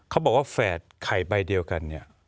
เขาบอกว่าแฝดไข่ใบเดียวกันเนี่ย